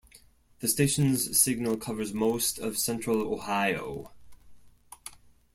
The station's signal covers most of central Ohio.